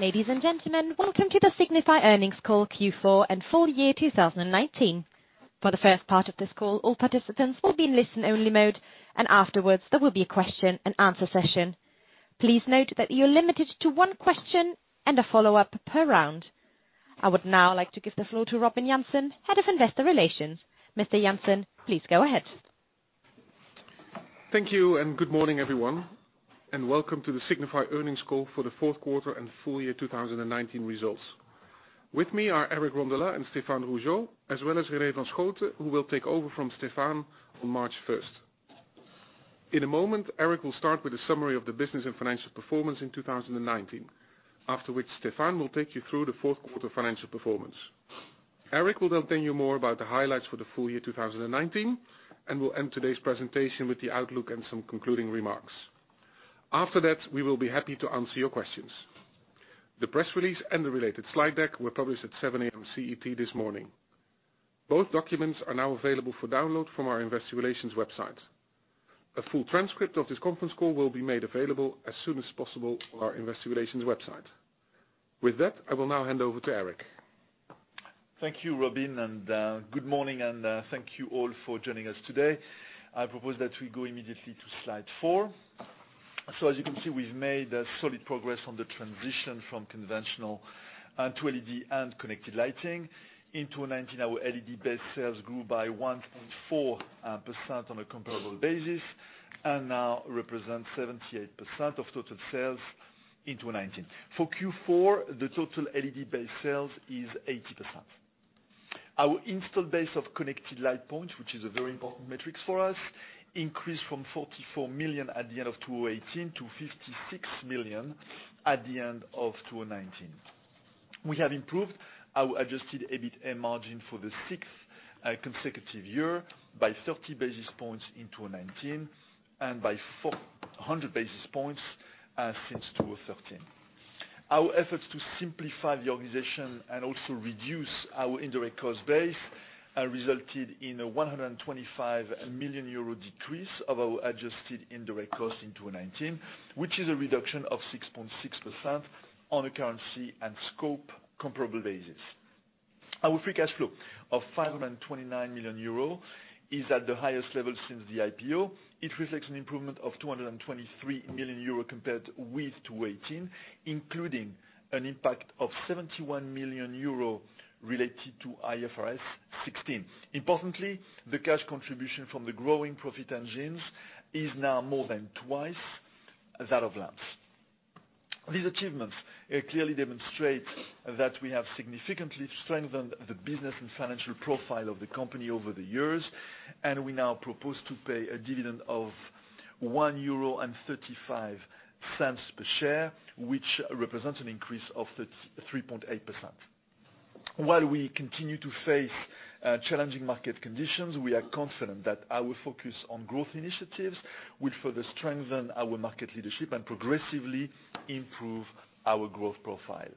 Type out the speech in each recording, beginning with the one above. Ladies and gentlemen, welcome to the Signify earnings call Q4 and full year 2019. For the first part of this call, all participants will be in listen-only mode. Afterwards, there will be a question and answer session. Please note that you're limited to one question and a follow-up per round. I would now like to give the floor to Robin Jansen, Head of Investor Relations. Mr. Jansen, please go ahead. Thank you, good morning, everyone, and welcome to the Signify earnings call for the fourth quarter and full year 2019 results. With me are Eric Rondolat and Stéphane Rougeot, as well as René van Schooten, who will take over from Stéphane on March 1st. In a moment, Eric will start with a summary of the business and financial performance in 2019, after which Stéphane will take you through the fourth quarter financial performance. Eric will then tell you more about the highlights for the full year 2019, we'll end today's presentation with the outlook and some concluding remarks. After that, we will be happy to answer your questions. The press release and the related slide deck were published at 7:00 A.M. CET this morning. Both documents are now available for download from our investor relations website. A full transcript of this conference call will be made available as soon as possible on our investor relations website. With that, I will now hand over to Eric. Thank you, Robin, and good morning, and thank you all for joining us today. I propose that we go immediately to slide four. As you can see, we've made solid progress on the transition from conventional to LED and connected lighting. In 2019, our LED-based sales grew by 1.4% on a comparable basis and now represent 78% of total sales in 2019. For Q4, the total LED-based sales is 80%. Our install base of connected light points, which is a very important metric for us, increased from 44 million at the end of 2018 to 56 million at the end of 2019. We have improved our Adjusted EBITA margin for the sixth consecutive year by 30 basis points in 2019 and by 400 basis points since 2013. Our efforts to simplify the organization and also reduce our indirect cost base resulted in a 125 million euro decrease of our adjusted indirect cost in 2019, which is a reduction of 6.6% on a currency and scope comparable basis. Our free cash flow of 529 million euro is at the highest level since the IPO. It reflects an improvement of 223 million euro compared with 2018, including an impact of 71 million euro related to IFRS 16. Importantly, the cash contribution from the growing profit engines is now more than twice that of lamps. These achievements clearly demonstrate that we have significantly strengthened the business and financial profile of the company over the years, and we now propose to pay a dividend of 1.35 euro per share, which represents an increase of 3.8%. While we continue to face challenging market conditions, we are confident that our focus on growth initiatives will further strengthen our market leadership and progressively improve our growth profile.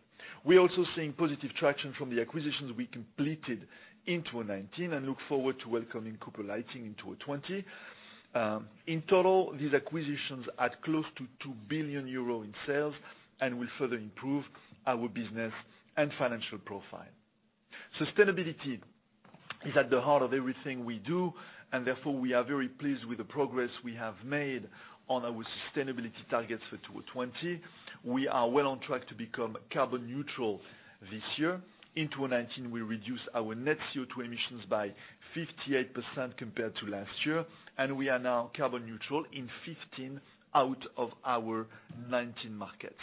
We're also seeing positive traction from the acquisitions we completed in 2019 and look forward to welcoming Cooper Lighting in 2020. In total, these acquisitions add close to 2 billion euro in sales and will further improve our business and financial profile. Sustainability is at the heart of everything we do, and therefore, we are very pleased with the progress we have made on our sustainability targets for 2020. We are well on track to become carbon neutral this year. In 2019, we reduced our net CO2 emissions by 58% compared to last year, and we are now carbon neutral in 15 out of our 19 markets.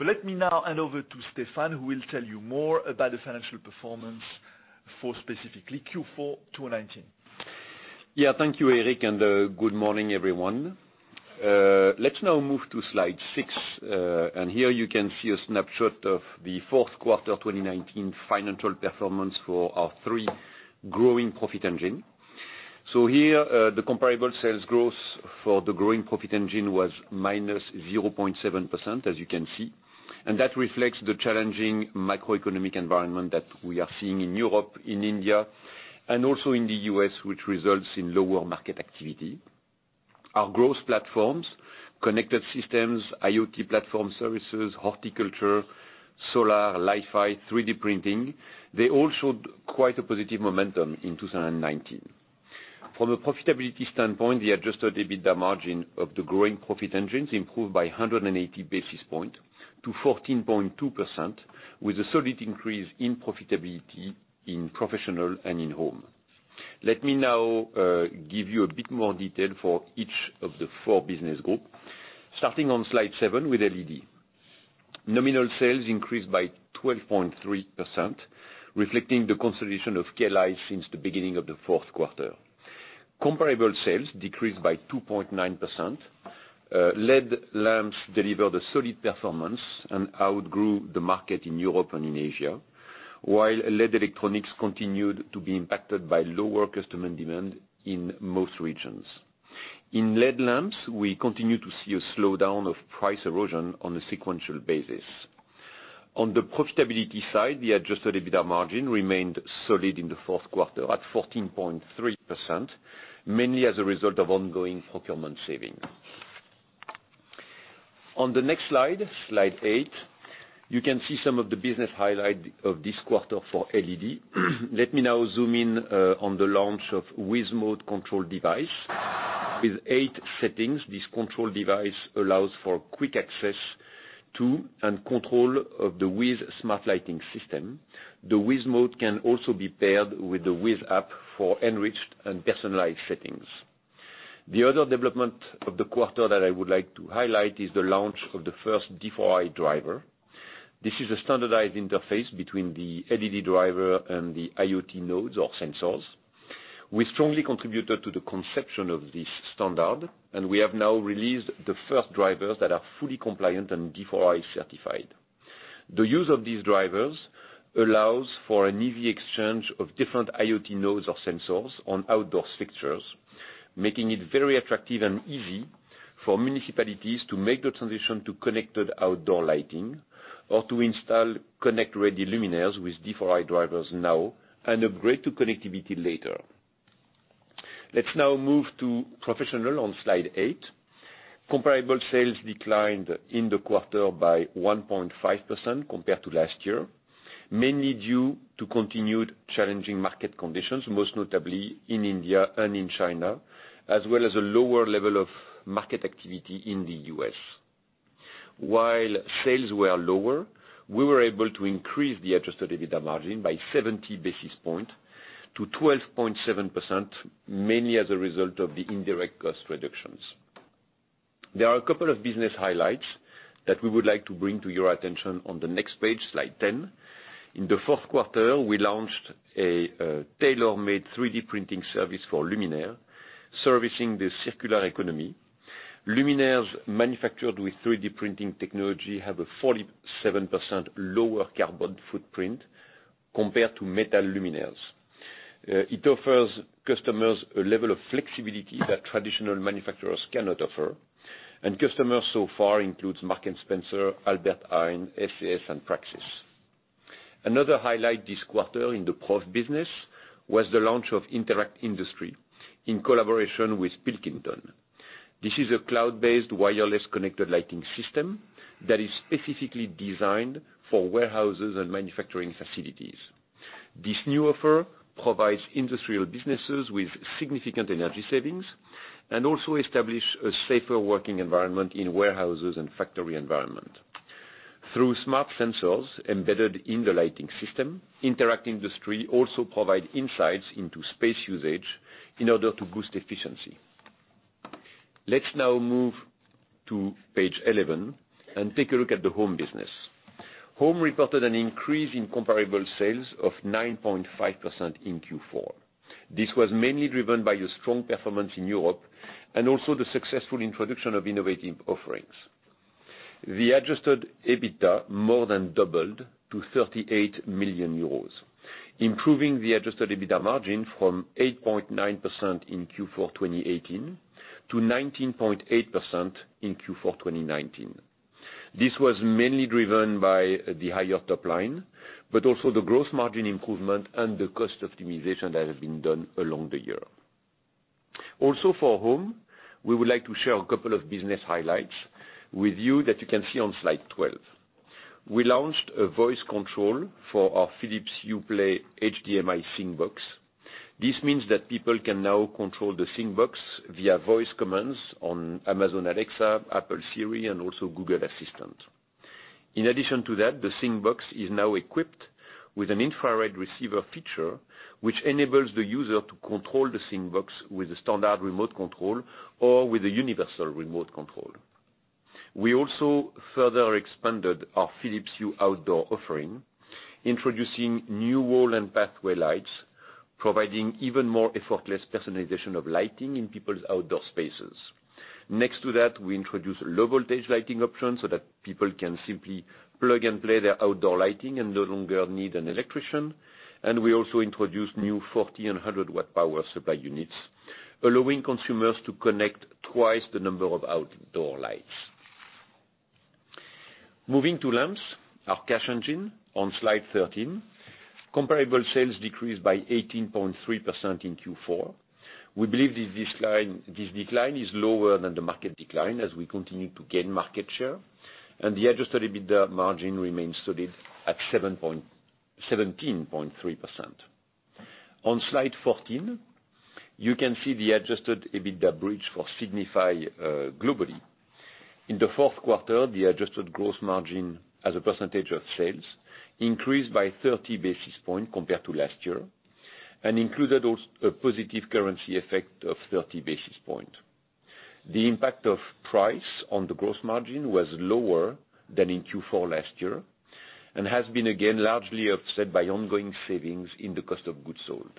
Let me now hand over to Stéphane, who will tell you more about the financial performance for specifically Q4 2019. Thank you, Eric. Good morning, everyone. Let's now move to slide six. Here you can see a snapshot of the fourth quarter 2019 financial performance for our three growing profit engine. Here, the comparable sales growth for the growing profit engine was -0.7%, as you can see. That reflects the challenging macroeconomic environment that we are seeing in Europe, in India, and also in the U.S., which results in lower market activity. Our growth platforms, connected systems, IoT platform services, horticulture, solar, Li-Fi, 3D printing, they all showed quite a positive momentum in 2019. From a profitability standpoint, the Adjusted EBITDA margin of the growing profit engines improved by 180 basis points to 14.2%, with a solid increase in profitability in Professional and in Home. Let me now give you a bit more detail for each of the four business group, starting on slide seven with LED. Nominal sales increased by 12.3%, reflecting the consolidation of K-lite since the beginning of the fourth quarter. Comparable sales decreased by 2.9%. LED lamps delivered a solid performance and outgrew the market in Europe and in Asia, while LED electronics continued to be impacted by lower customer demand in most regions. In LED lamps, we continue to see a slowdown of price erosion on a sequential basis. On the profitability side, the Adjusted EBITDA margin remained solid in the fourth quarter at 14.3%, mainly as a result of ongoing procurement savings. On the next slide eight, you can see some of the business highlight of this quarter for LED. Let me now zoom in on the launch of WiZmote control device. With eight settings, this control device allows for quick access to and control of the WiZ smart lighting system. The WiZmote can also be paired with the WiZ app for enriched and personalized settings. The other development of the quarter that I would like to highlight is the launch of the first D4i driver. This is a standardized interface between the LED driver and the IoT nodes or sensors. We strongly contributed to the conception of this standard, and we have now released the first drivers that are fully compliant and D4i certified. The use of these drivers allows for an easy exchange of different IoT nodes or sensors on outdoor fixtures, making it very attractive and easy for municipalities to make the transition to connected outdoor lighting, or to install connect-ready luminaires with D4i drivers now and upgrade to connectivity later. Let's now move to Professional on slide eight. Comparable sales declined in the quarter by 1.5% compared to last year, mainly due to continued challenging market conditions, most notably in India and in China, as well as a lower level of market activity in the U.S. While sales were lower, we were able to increase the Adjusted EBITDA margin by 70 basis points to 12.7%, mainly as a result of the indirect cost reductions. There are a couple of business highlights that we would like to bring to your attention on the next page, slide 10. In the fourth quarter, we launched a tailor-made 3D printing service for luminaire, servicing the circular economy. Luminaires manufactured with 3D printing technology have a 47% lower carbon footprint compared to metal luminaires. It offers customers a level of flexibility that traditional manufacturers cannot offer, and customers so far includes Marks & Spencer, Albert Heijn, SAS, and Praxis. Another highlight this quarter in the Prof business was the launch of Interact Industry in collaboration with Pilkington. This is a cloud-based wireless connected lighting system that is specifically designed for warehouses and manufacturing facilities. This new offer provides industrial businesses with significant energy savings, and also establish a safer working environment in warehouses and factory environment. Through smart sensors embedded in the lighting system, Interact Industry also provide insights into space usage in order to boost efficiency. Let's now move to page 11 and take a look at the Home business. Home reported an increase in comparable sales of 9.5% in Q4. This was mainly driven by a strong performance in Europe and also the successful introduction of innovative offerings. The Adjusted EBITDA more than doubled to 38 million euros, improving the Adjusted EBITDA margin from 8.9% in Q4 2018 to 19.8% in Q4 2019. This was mainly driven by the higher top line, but also the growth margin improvement and the cost optimization that has been done along the year. For Home, we would like to share a couple of business highlights with you that you can see on slide 12. We launched a voice control for our Philips Hue Play HDMI Sync Box. This means that people can now control the Sync Box via voice commands on Amazon Alexa, Apple Siri, and also Google Assistant. In addition to that, the Sync Box is now equipped with an infrared receiver feature, which enables the user to control the Sync Box with a standard remote control or with a universal remote control. We also further expanded our Philips Hue outdoor offering, introducing new wall and pathway lights, providing even more effortless personalization of lighting in people's outdoor spaces. Next to that, we introduced low-voltage lighting options so that people can simply plug and play their outdoor lighting and no longer need an electrician. We also introduced new 40 and 100-watt power supply units, allowing consumers to connect twice the number of outdoor lights. Moving to lamps, our cash engine on slide 13. Comparable sales decreased by 18.3% in Q4. We believe this decline is lower than the market decline as we continue to gain market share, and the adjusted EBITDA margin remains solid at 17.3%. On slide 14, you can see the adjusted EBITDA bridge for Signify globally. In the fourth quarter, the adjusted gross margin as a percentage of sales increased by 30 basis points compared to last year and included a positive currency effect of 30 basis points. The impact of price on the gross margin was lower than in Q4 last year and has been again largely offset by ongoing savings in the cost of goods sold.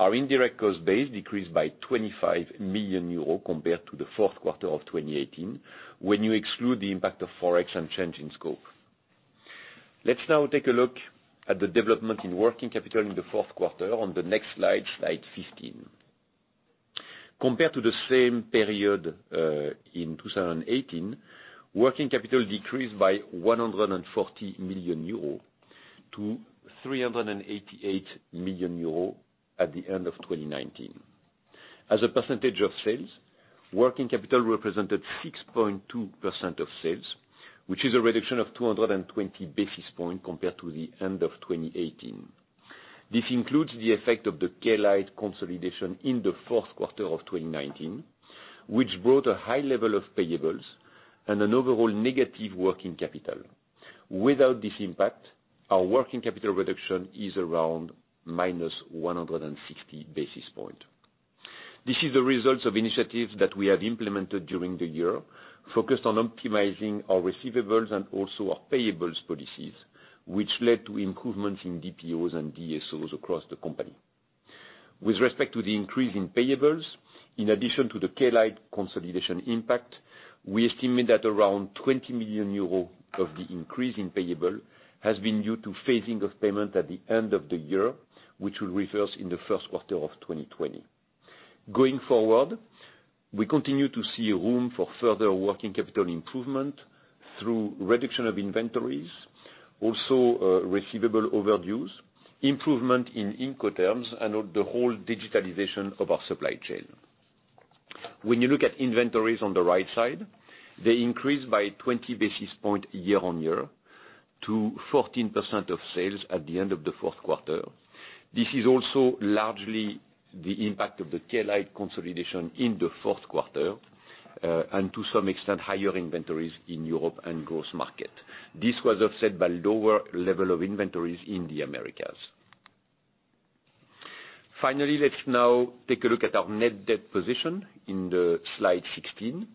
Our indirect cost base decreased by 25 million euros compared to the fourth quarter of 2018, when you exclude the impact of Forex and change in scope. Let's now take a look at the development in working capital in the fourth quarter on the next slide 15. Compared to the same period in 2018, working capital decreased by 140 million euro to 388 million euro at the end of 2019. As a percentage of sales, working capital represented 6.2% of sales, which is a reduction of 220 basis points compared to the end of 2018. This includes the effect of the K-lite consolidation in the fourth quarter of 2019, which brought a high level of payables and an overall negative working capital. Without this impact, our working capital reduction is around minus 160 basis points. This is the results of initiatives that we have implemented during the year, focused on optimizing our receivables and also our payables policies, which led to improvements in DPOs and DSOs across the company. With respect to the increase in payables, in addition to the K-lite consolidation impact, we estimate that around 20 million euro of the increase in payable has been due to phasing of payment at the end of the year, which will reverse in the first quarter of 2020. Going forward, we continue to see room for further working capital improvement through reduction of inventories, also receivable overviews, improvement in Incoterms, and the whole digitalization of our supply chain. When you look at inventories on the right side, they increased by 20 basis points year-on-year to 14% of sales at the end of the fourth quarter. This is also largely the impact of the K-lite consolidation in the fourth quarter, and to some extent, higher inventories in Europe and growth market. This was offset by lower level of inventories in the Americas. Finally, let's now take a look at our net debt position in slide 16.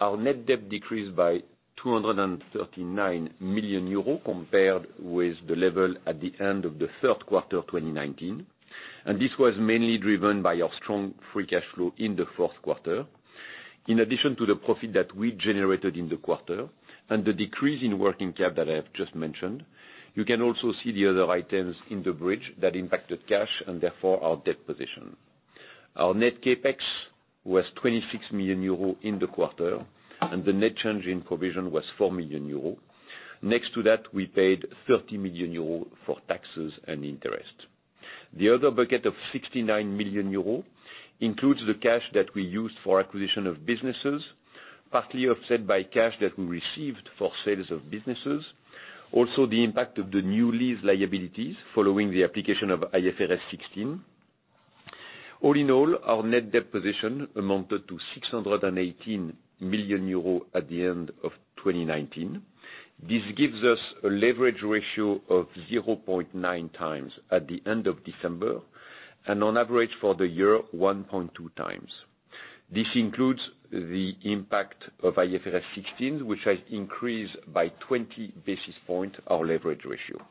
Our net debt decreased by 239 million euros compared with the level at the end of the third quarter of 2019. This was mainly driven by our strong free cash flow in the fourth quarter. In addition to the profit that we generated in the quarter and the decrease in working cap that I have just mentioned, you can also see the other items in the bridge that impacted cash and therefore our debt position. Our net CapEx was 26 million euros in the quarter, and the net change in provision was 4 million euros. Next to that, we paid 30 million euros for taxes and interest. The other bucket of 69 million euros includes the cash that we used for acquisition of businesses, partly offset by cash that we received for sales of businesses. Also, the impact of the new lease liabilities following the application of IFRS 16. All in all, our net debt position amounted to 618 million euros at the end of 2019. This gives us a leverage ratio of 0.9x at the end of December, and on average for the year, 1.2x. This includes the impact of IFRS 16, which has increased by 20 basis points our leverage ratio.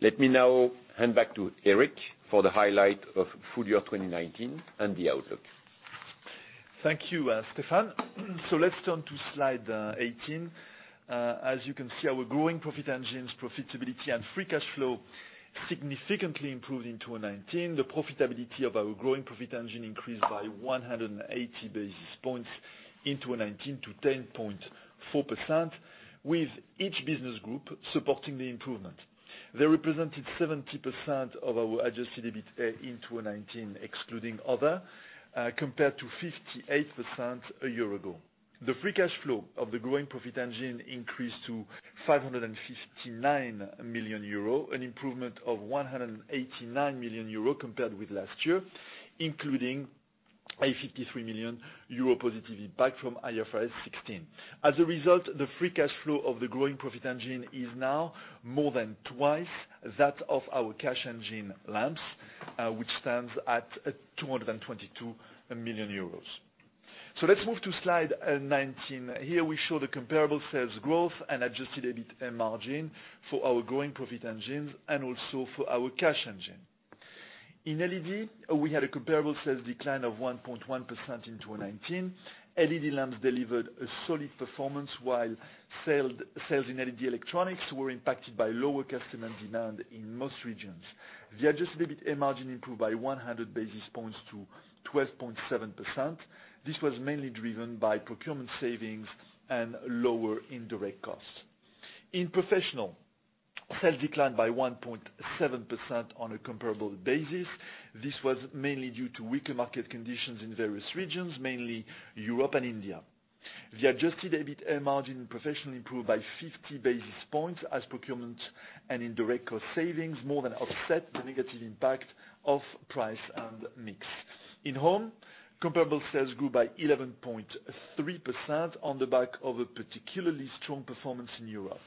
Let me now hand back to Eric for the highlight of full year 2019 and the outlook. Thank you, Stéphane. Let's turn to slide 18. As you can see, our growing profit engines profitability and free cash flow significantly improved in 2019. The profitability of our growing profit engine increased by 180 basis points in 2019 to 10.4%, with each business group supporting the improvement. They represented 70% of our Adjusted EBITA in 2019, excluding other, compared to 58% a year ago. The free cash flow of the growing profit engine increased to 559 million euro, an improvement of 189 million euro compared with last year, including a 53 million euro positive impact from IFRS 16. As a result, the free cash flow of the growing profit engine is now more than twice that of our cash engine lamps, which stands at 222 million euros. Let's move to slide 19. Here we show the comparable sales growth and adjusted EBITA margin for our growing profit engines and also for our cash engine. In LED, we had a comparable sales decline of 1.1% in 2019. LED lamps delivered a solid performance while sales in LED electronics were impacted by lower customer demand in most regions. The adjusted EBITA margin improved by 100 basis points to 12.7%. This was mainly driven by procurement savings and lower indirect costs. In Professional, sales declined by 1.7% on a comparable basis. This was mainly due to weaker market conditions in various regions, mainly Europe and India. The adjusted EBITA margin in Professional improved by 50 basis points as procurement and indirect cost savings more than offset the negative impact of price and mix. In Home, comparable sales grew by 11.3% on the back of a particularly strong performance in Europe.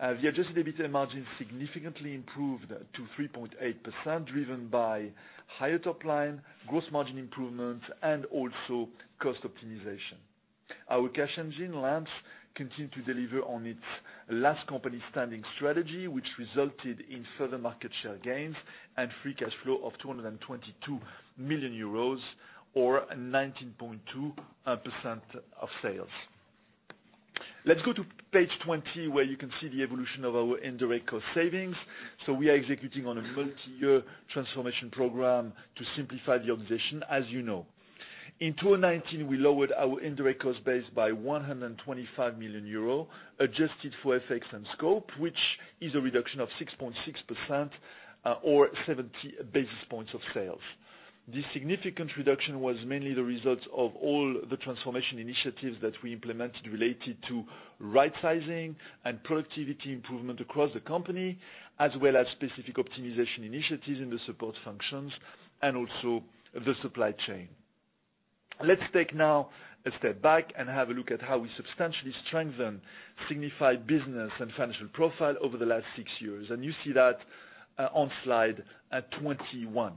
The adjusted EBITA margin significantly improved to 3.8%, driven by higher top line, gross margin improvement, and also cost optimization. Our cash engine lamps continued to deliver on its last company standing strategy, which resulted in further market share gains and free cash flow of 222 million euros or 19.2% of sales. Let's go to page 20, where you can see the evolution of our indirect cost savings. We are executing on a multi-year transformation program to simplify the organization, as you know. In 2019, we lowered our indirect cost base by 125 million euro, adjusted for FX and scope, which is a reduction of 6.6% or 70 basis points of sales. This significant reduction was mainly the result of all the transformation initiatives that we implemented related to right sizing and productivity improvement across the company, as well as specific optimization initiatives in the support functions and also the supply chain. Let's take now a step back and have a look at how we substantially strengthened Signify business and financial profile over the last six years. You see that on slide 21.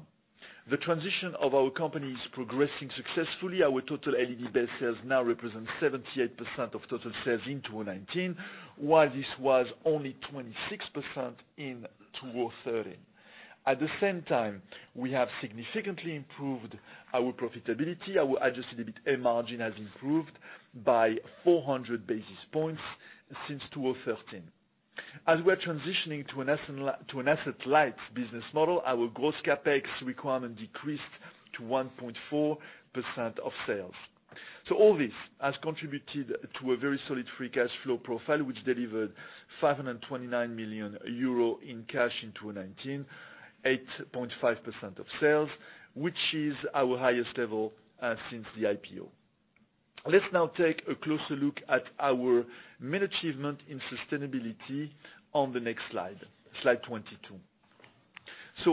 The transition of our company is progressing successfully. Our total LED-based sales now represent 78% of total sales in 2019, while this was only 26% in 2013. At the same time, we have significantly improved our profitability. Our Adjusted EBITA margin has improved by 400 basis points since 2013. As we're transitioning to an asset-light business model, our gross CapEx requirement decreased to 1.4% of sales. All this has contributed to a very solid free cash flow profile, which delivered 529 million euro in cash in 2019, 8.5% of sales, which is our highest level since the IPO. Let's now take a closer look at our main achievement in sustainability on the next slide 22.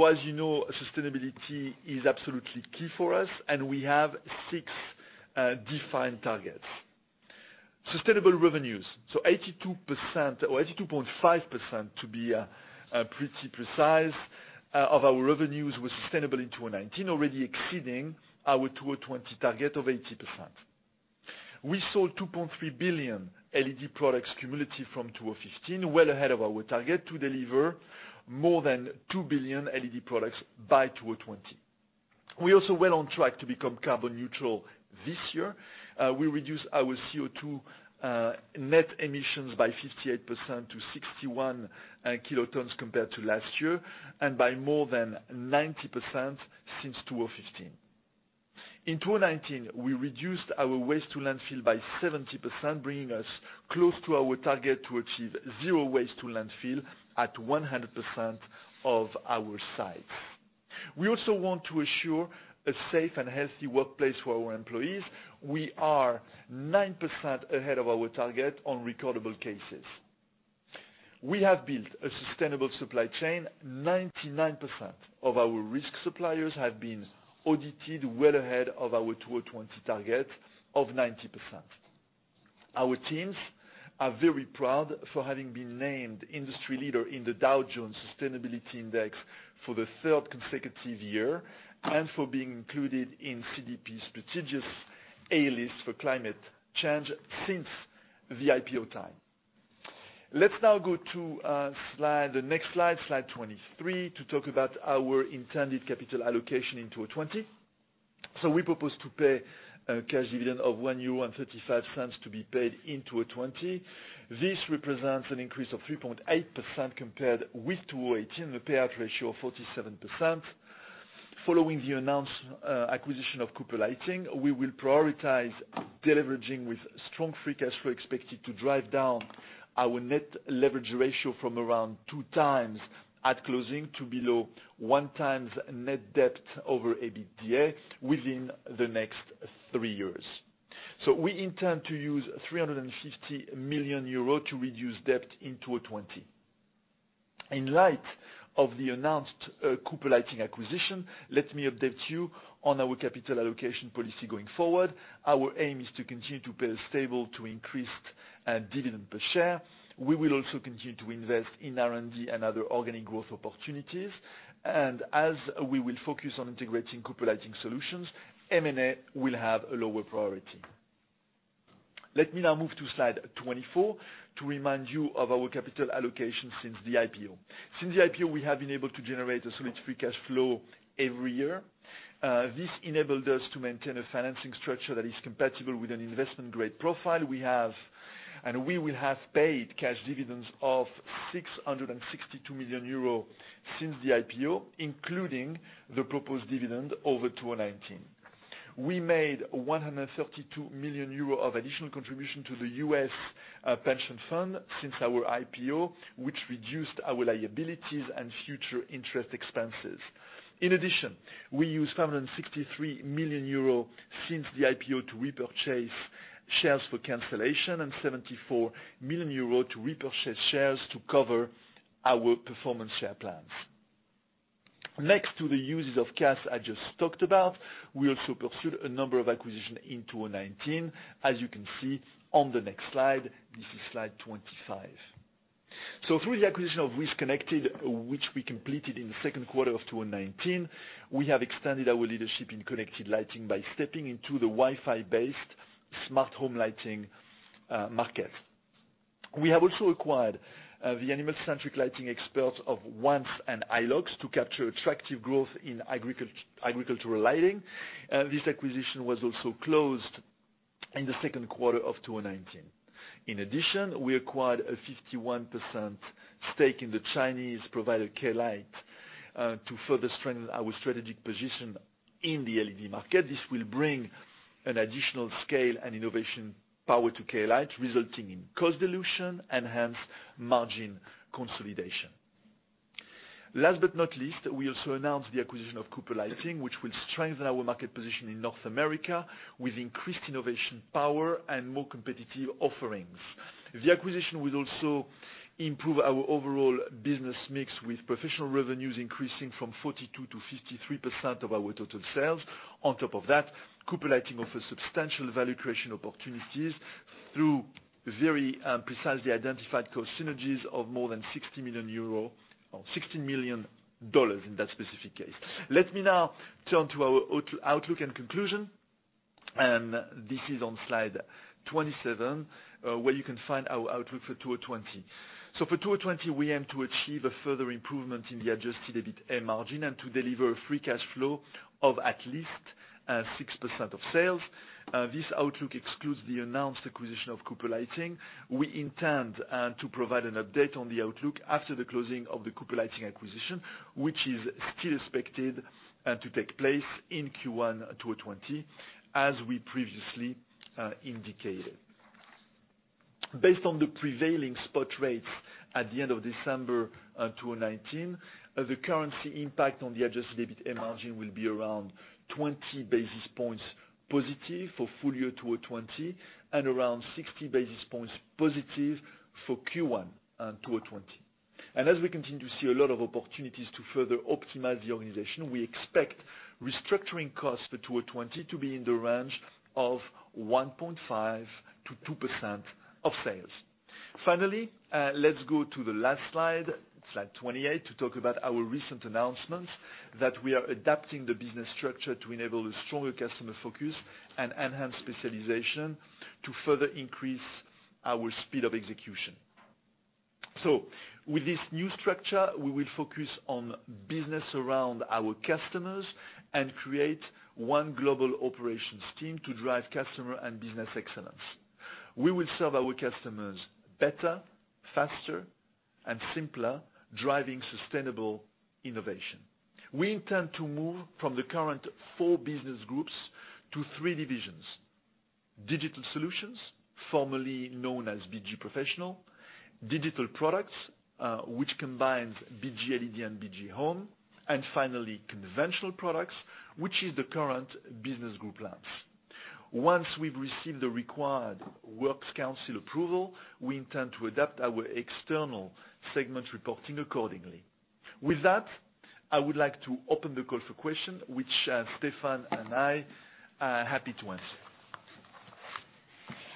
As you know, sustainability is absolutely key for us, and we have six defined targets. Sustainable revenues. 82%, or 82.5% to be pretty precise, of our revenues were sustainable in 2019, already exceeding our 2020 target of 80%. We sold 2.3 billion LED products cumulative from 2015, well ahead of our target to deliver more than 2 billion LED products by 2020. We're also well on track to become carbon neutral this year. We reduced our CO2 net emissions by 58% to 61 kilotons compared to last year, and by more than 90% since 2015. In 2019, we reduced our waste to landfill by 70%, bringing us close to our target to achieve zero waste to landfill at 100% of our sites. We also want to ensure a safe and healthy workplace for our employees. We are 9% ahead of our target on recordable cases. We have built a sustainable supply chain. 99% of our risk suppliers have been audited well ahead of our 2020 target of 90%. Our teams are very proud for having been named industry leader in the Dow Jones Sustainability Index for the third consecutive year, and for being included in CDP's prestigious A List for climate change since the IPO time. Let's now go to the next slide 23, to talk about our intended capital allocation in 2020. We propose to pay a cash dividend of 1.35 euro to be paid in 2020. This represents an increase of 3.8% compared with 2018, a payout ratio of 47%. Following the announced acquisition of Cooper Lighting, we will prioritize deleveraging with strong free cash flow expected to drive down our net leverage ratio from around 2x at closing to below 1x net debt over EBITDA within the next three years. We intend to use 350 million euros to reduce debt in 2020. In light of the announced Cooper Lighting acquisition, let me update you on our capital allocation policy going forward. Our aim is to continue to pay a stable to increased dividend per share. We will also continue to invest in R&D and other organic growth opportunities, and as we will focus on integrating Cooper Lighting solutions, M&A will have a lower priority. Let me now move to slide 24 to remind you of our capital allocation since the IPO. Since the IPO, we have been able to generate a solid free cash flow every year. This enabled us to maintain a financing structure that is compatible with an investment-grade profile. We have and we will have paid cash dividends of 662 million euros since the IPO, including the proposed dividend over 2019. We made 132 million euros of additional contribution to the U.S. pension fund since our IPO, which reduced our liabilities and future interest expenses. In addition, we used 563 million euro since the IPO to repurchase shares for cancellation and 74 million euro to repurchase shares to cover our performance share plans. Next to the uses of cash I just talked about, we also pursued a number of acquisitions in 2019, as you can see on the next slide. This is slide 25. Through the acquisition of WiZ Connected, which we completed in the second quarter of 2019, we have extended our leadership in connected lighting by stepping into the Wi-Fi-based smart home lighting market. We have also acquired the animal-centric lighting experts of Once and iLox to capture attractive growth in agricultural lighting. This acquisition was also closed in the second quarter of 2019. In addition, we acquired a 51% stake in the Chinese provider, K-Lite, to further strengthen our strategic position in the LED market. This will bring an additional scale and innovation power to K-Lite, resulting in cost dilution and hence margin consolidation. Last but not least, we also announced the acquisition of Cooper Lighting, which will strengthen our market position in North America with increased innovation power and more competitive offerings. The acquisition will also improve our overall business mix, with professional revenues increasing from 42% to 53% of our total sales. On top of that, Cooper Lighting offers substantial value creation opportunities through very precisely identified cost synergies of more than $60 million in that specific case. Let me now turn to our outlook and conclusion. This is on slide 27, where you can find our outlook for 2020. For 2020, we aim to achieve a further improvement in the Adjusted EBITA margin and to deliver free cash flow of at least 6% of sales. This outlook excludes the announced acquisition of Cooper Lighting. We intend to provide an update on the outlook after the closing of the Cooper Lighting acquisition, which is still expected to take place in Q1 2020, as we previously indicated. Based on the prevailing spot rates at the end of December 2019, the currency impact on the adjusted EBITA margin will be around 20 basis points positive for full-year 2020 and around 60 basis points positive for Q1 2020. As we continue to see a lot of opportunities to further optimize the organization, we expect restructuring costs for 2020 to be in the range of 1.5%-2% of sales. Finally, let's go to the last slide 28, to talk about our recent announcements that we are adapting the business structure to enable a stronger customer focus and enhance specialization to further increase our speed of execution. With this new structure, we will focus on business around our customers and create one global operations team to drive customer and business excellence. We will serve our customers better, faster and simpler, driving sustainable innovation. We intend to move from the current four business groups to three divisions. Digital Solutions, formerly known as BG Professional, Digital Products, which combines BG LED and BG Home, and finally, Conventional Products, which is the current Business Group Lamps. Once we've received the required works council approval, we intend to adapt our external segment reporting accordingly. With that, I would like to open the call for questions, which Stéphane and I are happy to answer.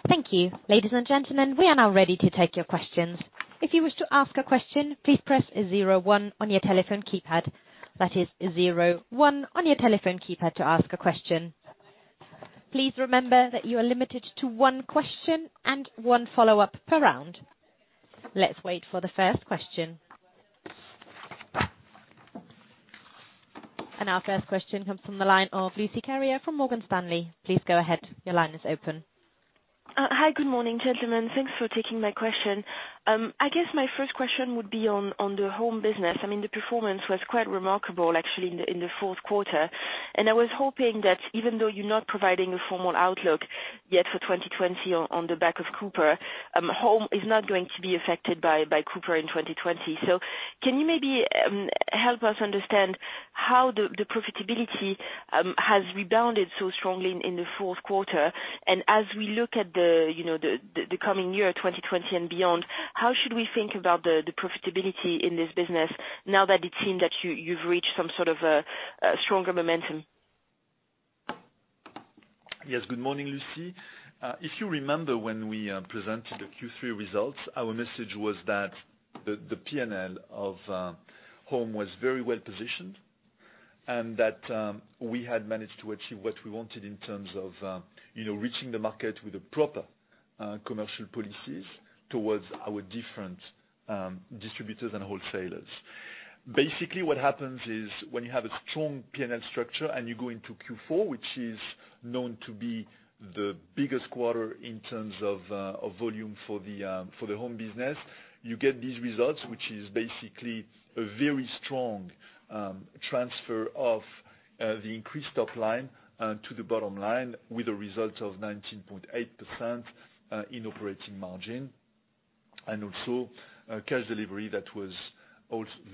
Thank you. Ladies and gentlemen, we are now ready to take your questions. If you wish to ask a question, please press zero one on your telephone keypad. That is zero one on your telephone keypad to ask a question. Please remember that you are limited to one question and one follow-up per round. Let's wait for the first question. Our first question comes from the line of Lucie Carrier from Morgan Stanley. Please go ahead. Your line is open. Hi. Good morning, gentlemen. Thanks for taking my question. I guess my first question would be on the home business. The performance was quite remarkable actually in the fourth quarter. I was hoping that even though you're not providing a formal outlook yet for 2020 on the back of Cooper, Home is not going to be affected by Cooper in 2020. Can you maybe help us understand how the profitability has rebounded so strongly in the fourth quarter? As we look at the coming year, 2020 and beyond, how should we think about the profitability in this business now that it seems that you've reached some sort of a stronger momentum? Yes. Good morning, Lucie. If you remember, when we presented the Q3 results, our message was that the P&L of Home was very well positioned and that we had managed to achieve what we wanted in terms of reaching the market with the proper commercial policies towards our different distributors and wholesalers. Basically, what happens is when you have a strong P&L structure and you go into Q4, which is known to be the biggest quarter in terms of volume for the Home business, you get these results, which is basically a very strong transfer of the increased top line to the bottom line with a result of 19.8% in operating margin. Also cash delivery that was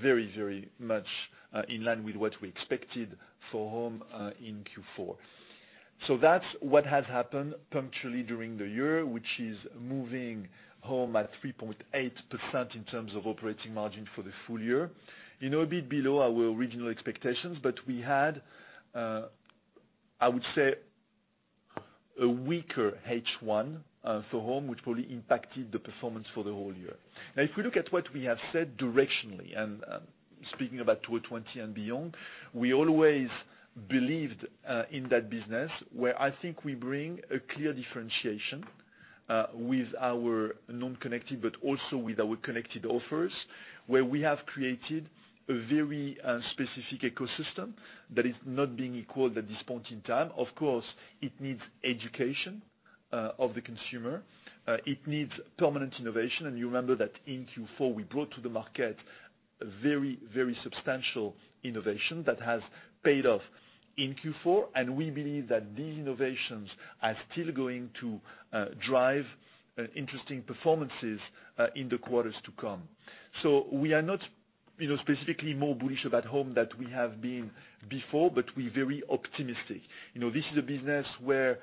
very much in line with what we expected for Home in Q4. That's what has happened punctually during the year, which is moving Home at 3.8% in terms of operating margin for the full year. A bit below our original expectations, but we had, I would say, a weaker H1 for Home, which really impacted the performance for the whole year. If we look at what we have said directionally and speaking about 2020 and beyond. We always believed in that business, where I think we bring a clear differentiation with our non-connected, but also with our connected offers, where we have created a very specific ecosystem that is not being equal at this point in time. Of course, it needs education of the consumer. It needs permanent innovation. You remember that in Q4, we brought to the market a very substantial innovation that has paid off in Q4, and we believe that these innovations are still going to drive interesting performances in the quarters to come. We are not specifically more bullish about Home than we have been before, but we're very optimistic. This is a business where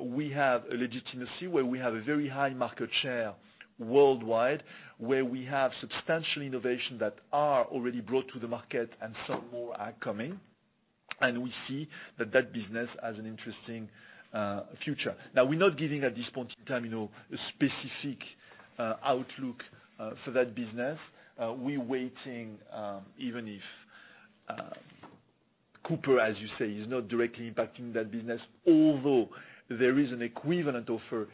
we have a legitimacy, where we have a very high market share worldwide, where we have substantial innovation that are already brought to the market and some more are coming. We see that that business has an interesting future. Now, we're not giving at this point in time, a specific outlook for that business. We're waiting, even if Cooper, as you say, is not directly impacting that business, although there is an equivalent offer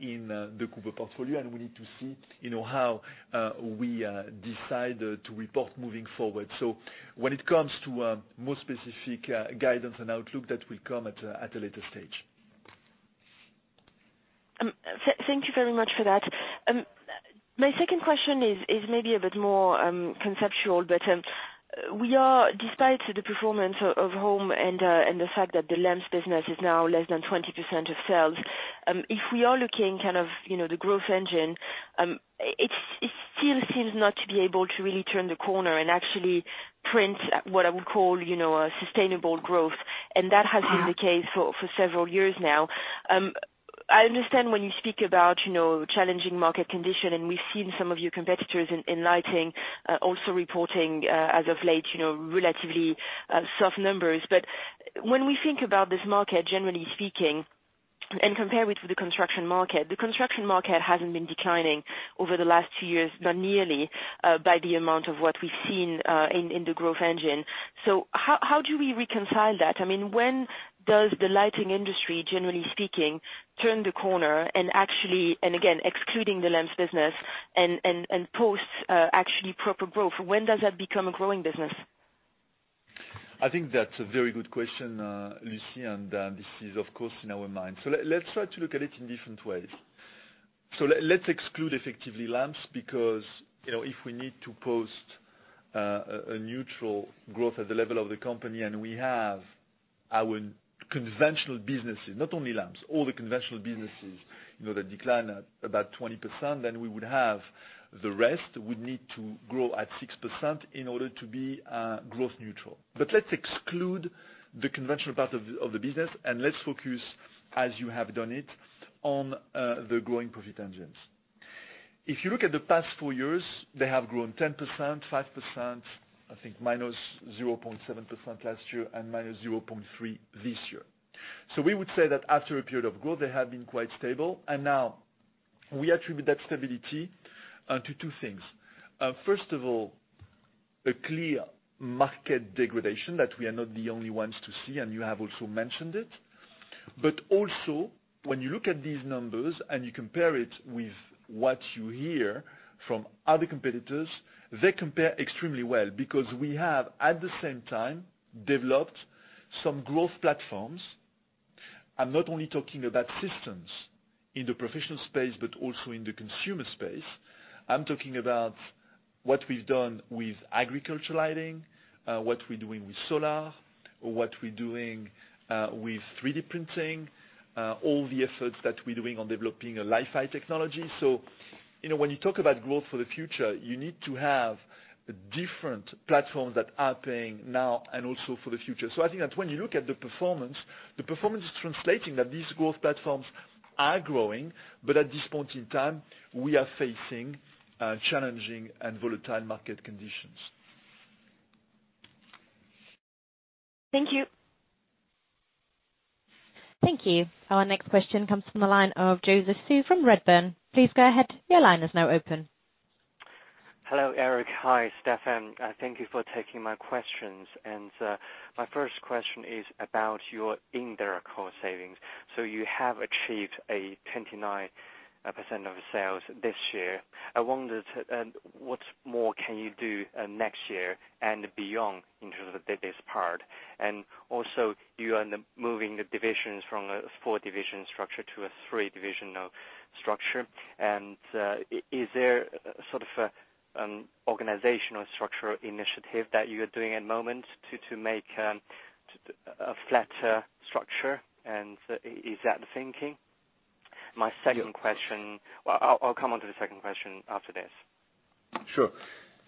in the Cooper portfolio, and we need to see how we decide to report moving forward. When it comes to more specific guidance and outlook, that will come at a later stage. Thank you very much for that. My second question is maybe a bit more conceptual, we are, despite the performance of Home and the fact that the lamps business is now less than 20% of sales. If we are looking kind of the growth engine, it still seems not to be able to really turn the corner and actually print what I would call a sustainable growth. That has been the case for several years now. I understand when you speak about challenging market condition, and we have seen some of your competitors in lighting also reporting as of late, relatively soft numbers. When we think about this market, generally speaking, and compare it with the construction market, the construction market hasn't been declining over the last two years, not nearly by the amount of what we have seen in the growth engine. How do we reconcile that? I mean, when does the lighting industry, generally speaking, turn the corner and actually, and again, excluding the lamps business and posts actually proper growth. When does that become a growing business? I think that's a very good question, Lucie, this is of course in our mind. Let's try to look at it in different ways. Let's exclude effectively lamps because, if we need to post a neutral growth at the level of the company, and we have our conventional businesses, not only lamps, all the conventional businesses that decline at about 20%, then we would have the rest would need to grow at 6% in order to be growth neutral. Let's exclude the conventional part of the business and let's focus, as you have done it, on the growing profit engines. If you look at the past four years, they have grown 10%, 5%, I think -0.7% last year and -0.3% this year. We would say that after a period of growth, they have been quite stable, and now we attribute that stability to two things. First of all, a clear market degradation that we are not the only ones to see, and you have also mentioned it. Also when you look at these numbers and you compare it with what you hear from other competitors, they compare extremely well because we have at the same time developed some growth platforms. I'm not only talking about systems in the professional space, but also in the consumer space. I'm talking about what we've done with agriculture lighting, what we're doing with solar, what we're doing with 3D printing, all the efforts that we're doing on developing a Li-Fi technology. When you talk about growth for the future, you need to have different platforms that are paying now and also for the future. I think that when you look at the performance, the performance is translating that these growth platforms are growing, but at this point in time, we are facing challenging and volatile market conditions. Thank you. Thank you. Our next question comes from the line of Joseph Zhou from Redburn. Please go ahead. Your line is now open. Hello, Eric. Hi, Stéphane. Thank you for taking my questions. My first question is about your indirect cost savings. You have achieved a 29% of sales this year. I wondered what more can you do next year and beyond in terms of this part? Also you are moving the divisions from a four-division structure to a three-divisional structure. Is there sort of an organizational structural initiative that you are doing at the moment to make a flatter structure? Is that the thinking? Well, I'll come on to the second question after this. Sure.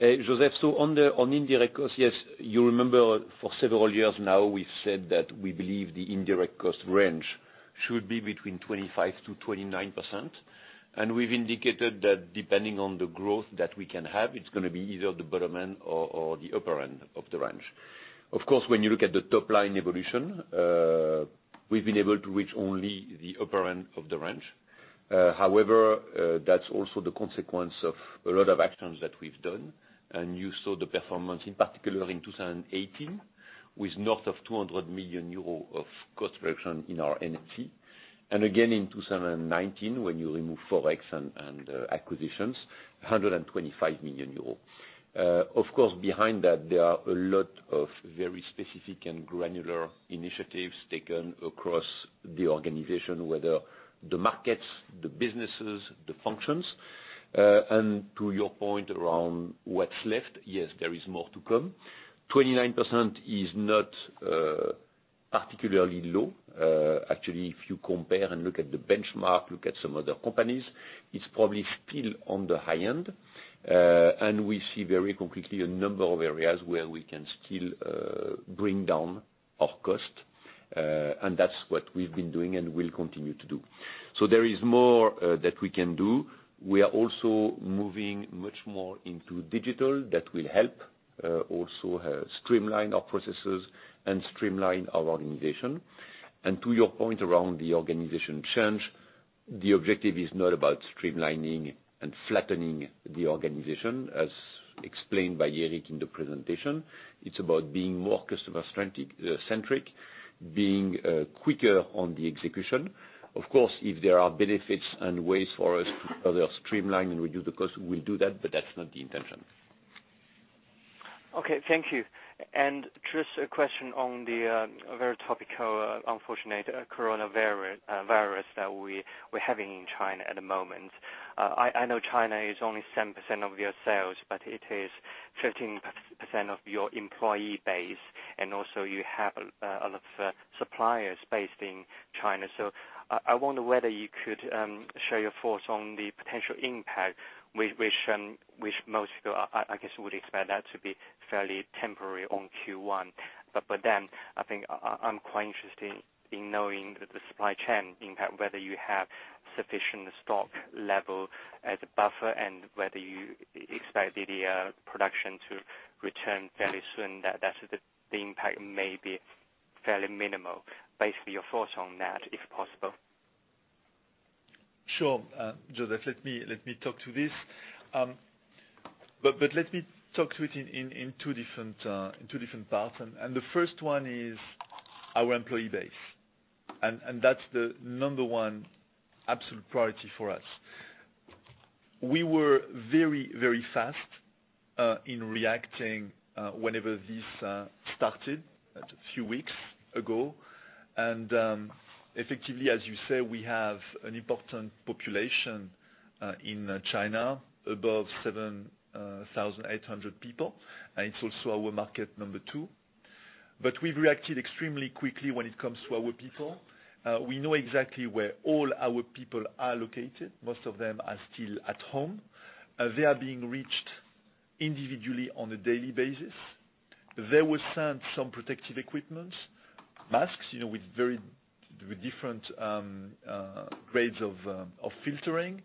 Joseph, on indirect costs, you remember for several years now, we've said that we believe the indirect cost range should be between 25%-29%. We've indicated that depending on the growth that we can have, it's going to be either the bottom end or the upper end of the range. Of course, when you look at the top-line evolution, we've been able to reach only the upper end of the range. That's also the consequence of a lot of actions that we've done. You saw the performance, in particular in 2018, with north of 200 million euros of cost reduction in our NFC. Again, in 2019, when you remove forex and acquisitions, 125 million euros. Of course, behind that, there are a lot of very specific and granular initiatives taken across the organization, whether the markets, the businesses, the functions. To your point around what's left, yes, there is more to come. 29% is not particularly low. Actually, if you compare and look at the benchmark, look at some other companies, it's probably still on the high end. We see very concretely a number of areas where we can still bring down our cost. That's what we've been doing and will continue to do. There is more that we can do. We are also moving much more into digital. That will help also streamline our processes and streamline our organization. To your point around the organization change, the objective is not about streamlining and flattening the organization, as explained by Eric in the presentation. It's about being more customer-centric, being quicker on the execution. Of course, if there are benefits and ways for us to further streamline and reduce the cost, we'll do that, but that's not the intention. Okay, thank you. Just a question on the very topical, unfortunate coronavirus that we're having in China at the moment. I know China is only 7% of your sales, but it is 15% of your employee base, also you have a lot of suppliers based in China. I wonder whether you could share your thoughts on the potential impact, which most people, I guess, would expect that to be fairly temporary on Q1. I think I'm quite interested in knowing the supply chain impact, whether you have sufficient stock level as a buffer, and whether you expect the production to return fairly soon, that the impact may be fairly minimal. Basically, your thoughts on that, if possible. Sure Joseph, let me talk to this. Let me talk to it in two different parts. The first one is our employee base, and that's the number one absolute priority for us. We were very fast in reacting whenever this started a few weeks ago. Effectively, as you say, we have an important population in China, above 7,800 people. It's also our market number two. We've reacted extremely quickly when it comes to our people. We know exactly where all our people are located. Most of them are still at home. They are being reached individually on a daily basis. They were sent some protective equipment, masks with different grades of filtering.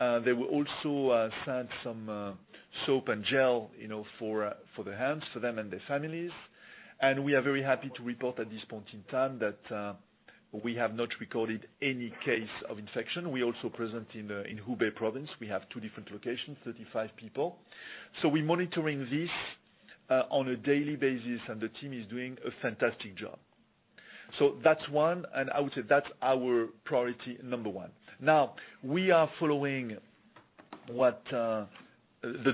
They were also sent some soap and gel for the hands, for them and their families. We are very happy to report at this point in time that we have not recorded any case of infection. We also present in Hubei province. We have two different locations, 35 people. We're monitoring this on a daily basis, and the team is doing a fantastic job. That's one, and I would say that's our priority number one. We are following the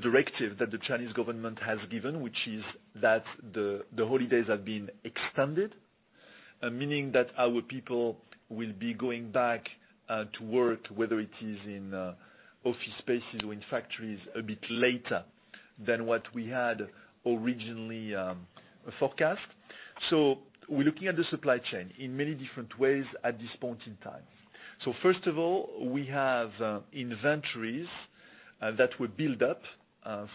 directive that the Chinese government has given, which is that the holidays have been extended, meaning that our people will be going back to work, whether it is in office spaces or in factories, a bit later than what we had originally forecast. We're looking at the supply chain in many different ways at this point in time. First of all, we have inventories that were built up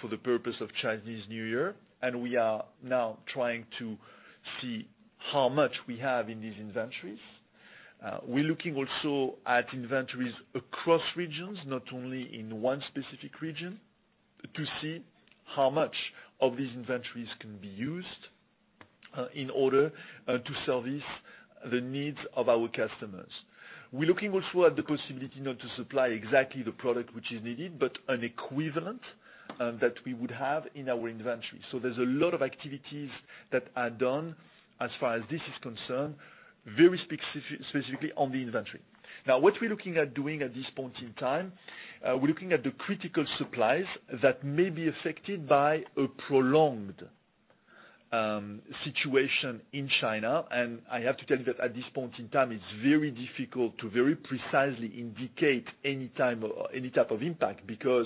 for the purpose of Chinese New Year, and we are now trying to see how much we have in these inventories. We're looking also at inventories across regions, not only in one specific region, to see how much of these inventories can be used in order to service the needs of our customers. We're looking also at the possibility not to supply exactly the product which is needed, but an equivalent that we would have in our inventory. There's a lot of activities that are done as far as this is concerned, very specifically on the inventory. Now, what we're looking at doing at this point in time, we're looking at the critical supplies that may be affected by a prolonged situation in China. I have to tell you that at this point in time, it's very difficult to very precisely indicate any type of impact, because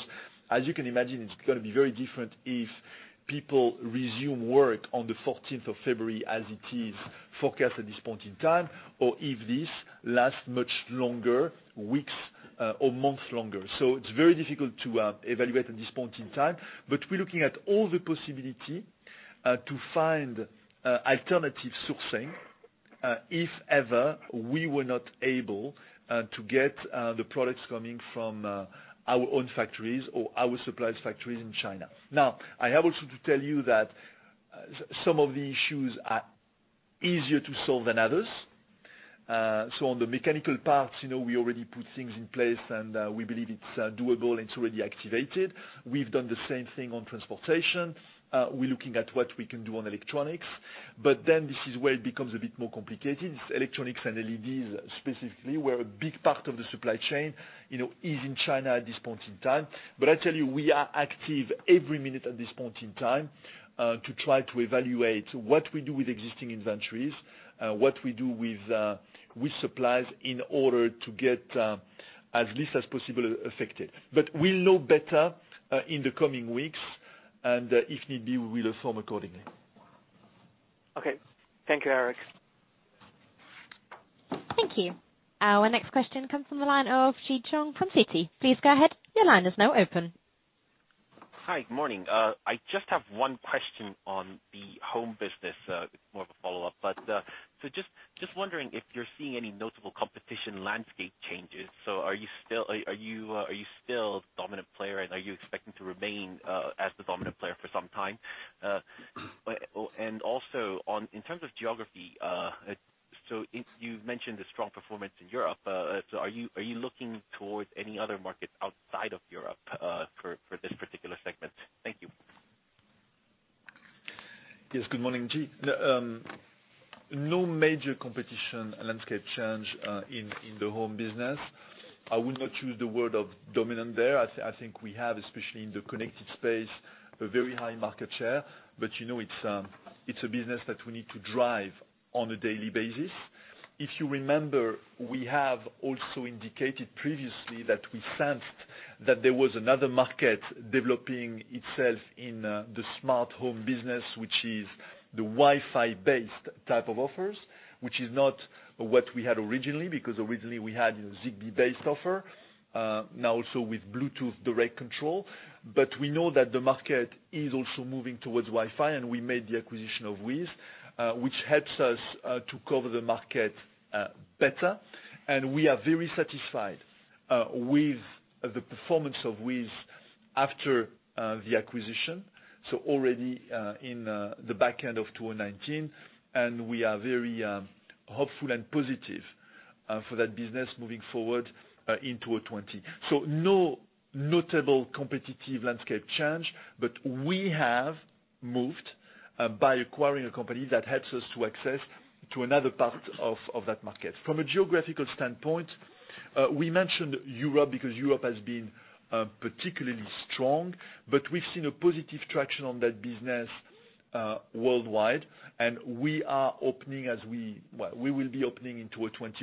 as you can imagine, it's going to be very different if people resume work on the 14th of February as it is forecast at this point in time, or if this lasts much longer, weeks or months longer. It's very difficult to evaluate at this point in time. We're looking at all the possibility to find alternative sourcing. If ever we were not able to get the products coming from our own factories or our suppliers' factories in China. I have also to tell you that some of the issues are easier to solve than others. On the mechanical parts, we already put things in place, and we believe it's doable and it's already activated. We've done the same thing on transportation. We're looking at what we can do on electronics. This is where it becomes a bit more complicated. Electronics and LEDs specifically, where a big part of the supply chain is in China at this point in time. I tell you, we are active every minute at this point in time, to try to evaluate what we do with existing inventories. What we do with supplies in order to get as least as possible affected. We'll know better in the coming weeks, and if need be, we will inform accordingly. Okay. Thank you, Eric. Thank you. Our next question comes from the line of Ji Cheong from Citi. Please go ahead. Your line is now open. Hi, good morning. I just have one question on the Home business, it's more of a follow-up. Just wondering if you're seeing any notable competition landscape changes. Are you still dominant player, and are you expecting to remain as the dominant player for some time? Also, in terms of geography, you've mentioned the strong performance in Europe. Are you looking towards any other markets outside of Europe for this particular segment? Thank you. Yes, good morning, Ji. No major competition landscape change in the home business. I would not use the word of dominant there. I think we have, especially in the connected space, a very high market share. It's a business that we need to drive on a daily basis. If you remember, we have also indicated previously that we sensed that there was another market developing itself in the smart home business, which is the Wi-Fi based type of offers, which is not what we had originally because originally we had Zigbee-based offer. Now also with Bluetooth direct control. We know that the market is also moving towards Wi-Fi, and we made the acquisition of WiZ, which helps us to cover the market better. We are very satisfied with the performance of WiZ after the acquisition. Already in the back end of 2019, and we are very hopeful and positive for that business moving forward in 2020. No notable competitive landscape change, but we have moved by acquiring a company that helps us to access to another part of that market. From a geographical standpoint, we mentioned Europe because Europe has been particularly strong, but we've seen a positive traction on that business worldwide, and we will be opening in 2020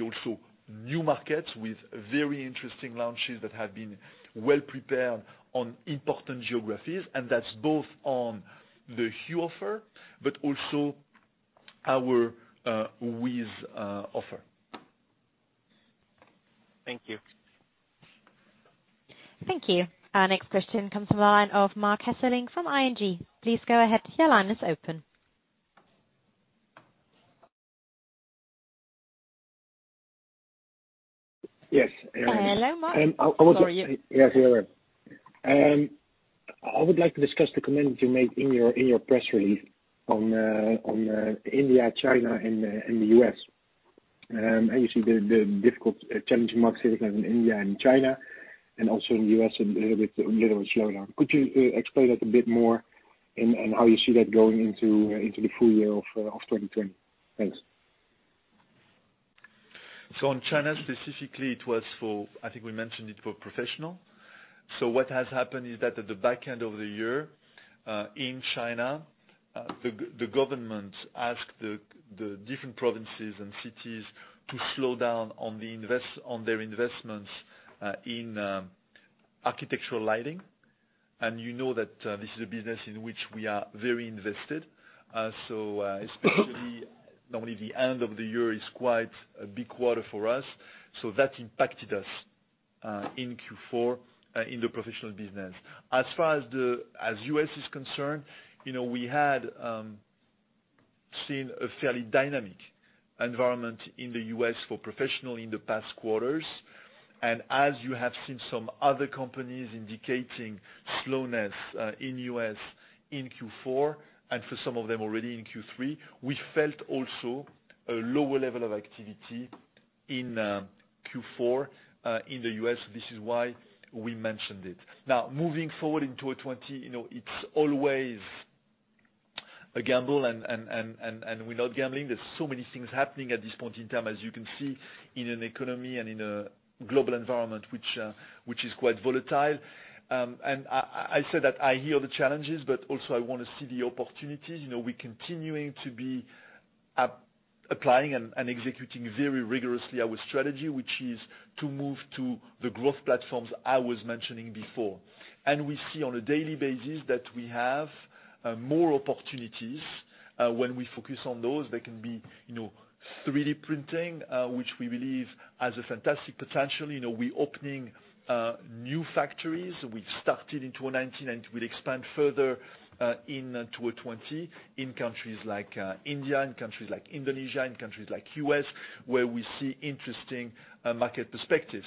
also new markets with very interesting launches that have been well prepared on important geographies. That's both on the Hue offer, but also our WiZ offer. Thank you. Thank you. Our next question comes from the line of Marc Hesselink from ING. Please go ahead. Your line is open. Yes. Hello, Marc. Sorry. Yes, hello. I would like to discuss the comment you made in your press release on India, China and the U.S. Obviously, the difficult challenging market in India and China and also in the U.S. a little bit slower. Could you explain that a bit more and how you see that going into the full year of 2020? Thanks. In China specifically, we mentioned it for Professional. What has happened is that at the back end of the year, in China, the government asked the different provinces and cities to slow down on their investments in architectural lighting. You know that this is a business in which we are very invested. Especially, normally the end of the year is quite a big quarter for us, so that impacted us in Q4 in the Professional business. As far as U.S. is concerned, we had seen a fairly dynamic environment in the U.S. for Professional in the past quarters. As you have seen some other companies indicating slowness in U.S. in Q4 and for some of them already in Q3, we felt also a lower level of activity in Q4 in the U.S. This is why we mentioned it. Moving forward into 2020, it's always a gamble and we're not gambling. There's so many things happening at this point in time, as you can see in an economy and in a global environment which is quite volatile. I said that I hear the challenges, but also I want to see the opportunities. We continuing to be applying and executing very rigorously our strategy, which is to move to the growth platforms I was mentioning before. We see on a daily basis that we have more opportunities. When we focus on those, they can be 3D printing, which we believe has a fantastic potential. We're opening new factories. We've started in 2019, we'll expand further in 2020 in countries like India, in countries like Indonesia, in countries like U.S., where we see interesting market perspective.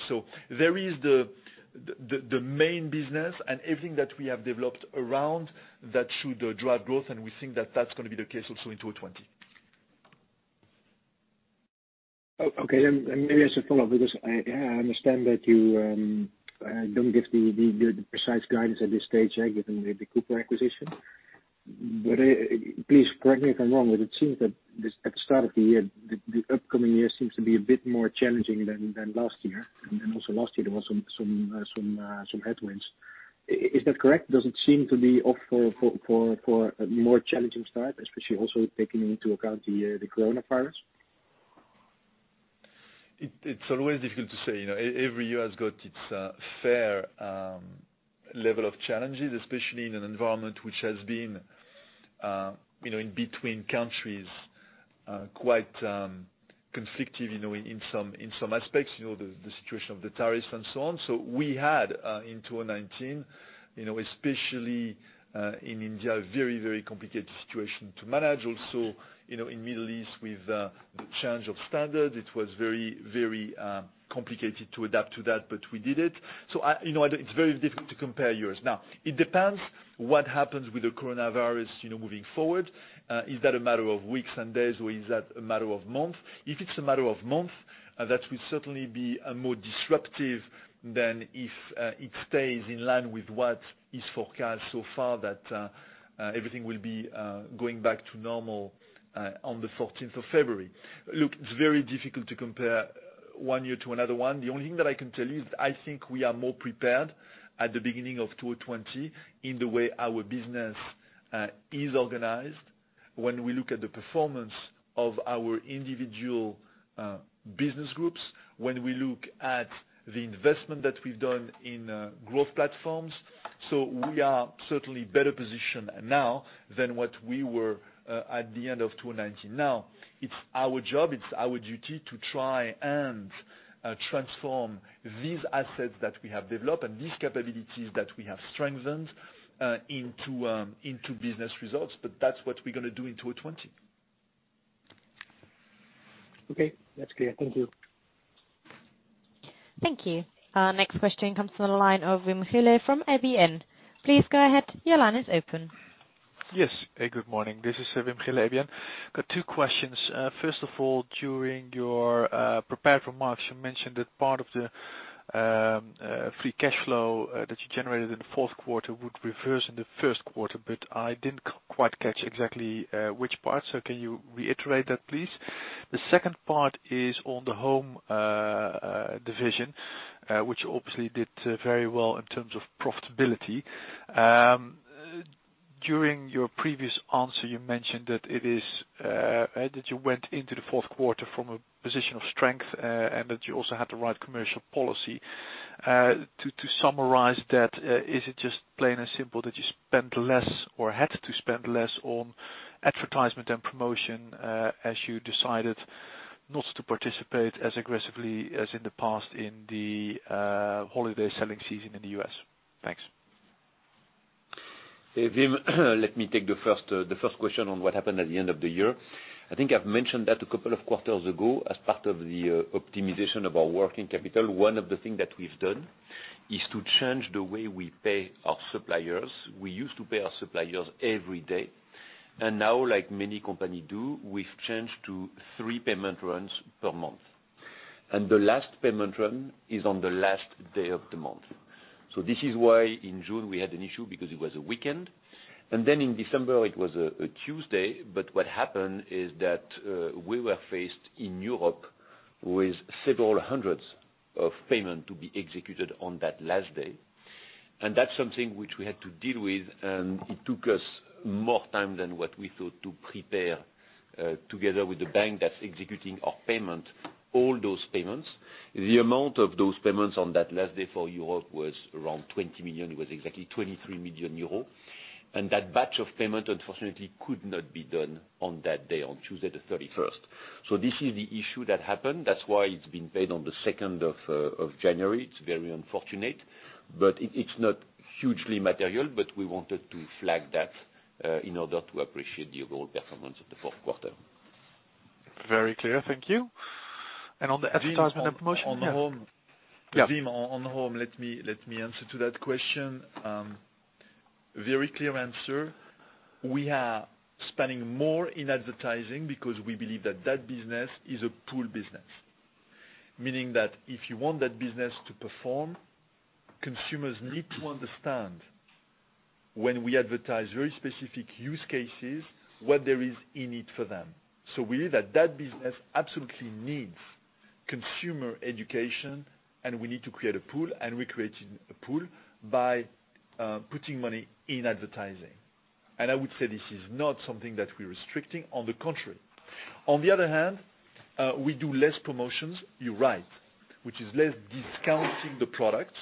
There is the main business and everything that we have developed around that should drive growth, and we think that that's going to be the case also in 2020. Okay. Maybe as a follow-up, because I understand that you don't give the precise guidance at this stage yet, given the Cooper acquisition. Please correct me if I'm wrong, but it seems that at the start of the year, the upcoming year seems to be a bit more challenging than last year, and then also last year there was some headwinds. Is that correct? Does it seem to be up for a more challenging start, especially also taking into account the coronavirus? It's always difficult to say. Every year has got its fair level of challenges, especially in an environment which has been, in between countries, quite conflictive in some aspects, the situation of the tariffs and so on. We had, in 2019, especially in India, a very complicated situation to manage. Also, in Middle East with the change of standard. It was very complicated to adapt to that, but we did it. It's very difficult to compare years. Now, it depends what happens with the coronavirus moving forward. Is that a matter of weeks and days, or is that a matter of months? If it's a matter of months, that will certainly be more disruptive than if it stays in line with what is forecast so far that everything will be going back to normal on the 14th of February. Look, it's very difficult to compare one year to another one. The only thing that I can tell you is I think we are more prepared at the beginning of 2020 in the way our business is organized when we look at the performance of our individual business groups, when we look at the investment that we've done in growth platforms. We are certainly better positioned now than what we were at the end of 2019. It's our job, it's our duty to try and transform these assets that we have developed and these capabilities that we have strengthened into business results, but that's what we're going to do in 2020. Okay. That's clear. Thank you. Thank you. Next question comes from the line of Wim Gille from ABN. Please go ahead. Your line is open. Yes. Good morning. This is Wim Gille, ABN. Got two questions. First of all, during your prepared remarks, you mentioned that part of the free cash flow that you generated in the fourth quarter would reverse in the first quarter, but I didn't quite catch exactly which part. Can you reiterate that, please? The second part is on the home division, which obviously did very well in terms of profitability. During your previous answer, you mentioned that you went into the fourth quarter from a position of strength, and that you also had the right commercial policy. To summarize that, is it just plain and simple that you spent less or had to spend less on advertisement and promotion, as you decided not to participate as aggressively as in the past in the holiday selling season in the U.S.? Thanks. Hey, Wim. Let me take the first question on what happened at the end of the year. I think I've mentioned that a couple of quarters ago as part of the optimization of our working capital, one of the thing that we've done is to change the way we pay our suppliers. We used to pay our suppliers every day. Now, like many company do, we've changed to three payment runs per month. The last payment run is on the last day of the month. This is why in June we had an issue because it was a weekend. In December it was a Tuesday. What happened is that we were faced in Europe with several hundreds of payment to be executed on that last day. That's something which we had to deal with, and it took us more time than what we thought to prepare together with the bank that's executing our payment, all those payments. The amount of those payments on that last day for Europe was around 20 million. It was exactly 23 million euros. That batch of payment, unfortunately, could not be done on that day, on Tuesday the 31st. This is the issue that happened. That's why it's been paid on the 2nd of January. It's very unfortunate. It's not hugely material, but we wanted to flag that, in order to appreciate the overall performance of the fourth quarter. Very clear. Thank you. On the advertisement and promotion? Yeah. Wim, on home, let me answer to that question. Very clear answer. We are spending more in advertising because we believe that that business is a pool business. Meaning that if you want that business to perform, consumers need to understand when we advertise very specific use cases, what there is in it for them. We believe that that business absolutely needs consumer education, and we need to create a pool, and we're creating a pool by putting money in advertising. I would say this is not something that we're restricting. On the contrary. On the other hand, we do less promotions, you're right, which is less discounting the products.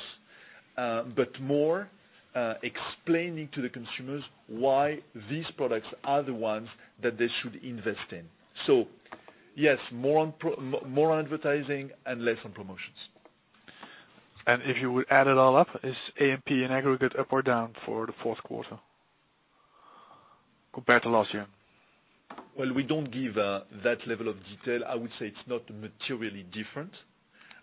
More explaining to the consumers why these products are the ones that they should invest in. Yes, more on advertising and less on promotions. if you would add it all up, is A&P in aggregate up or down for the fourth quarter compared to last year? Well, we don't give that level of detail. I would say it's not materially different.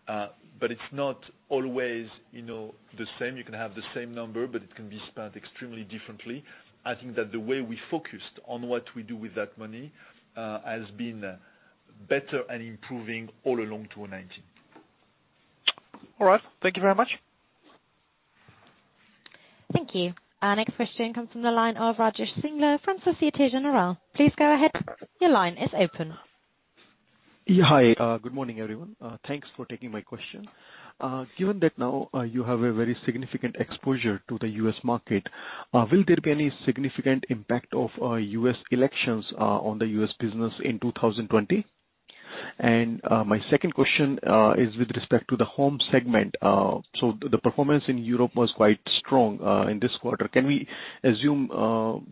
It's not always the same. You can have the same number, but it can be spent extremely differently. I think that the way we focused on what we do with that money has been better and improving all along 2019. All right. Thank you very much. Thank you. Our next question comes from the line of Rajesh Singla from Société Générale. Please go ahead. Your line is open. Yeah. Hi. Good morning, everyone. Thanks for taking my question. Given that now you have a very significant exposure to the U.S. market, will there be any significant impact of U.S. elections on the U.S. business in 2020? My second question is with respect to the Home segment. The performance in Europe was quite strong in this quarter. Can we assume